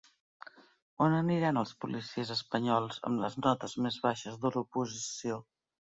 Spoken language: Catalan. On aniran els policies espanyols amb les notes més baixes de l'oposició?